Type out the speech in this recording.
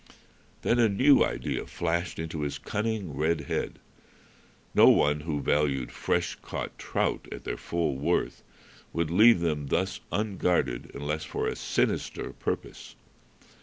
Then a new idea flashed into his cunning red head. No one who valued fresh caught trout at their full worth would leave them thus unguarded unless for a sinister purpose.